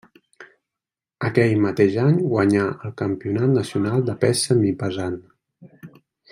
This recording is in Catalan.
Aquell mateix any guanyà el campionat nacional de pes semipesant.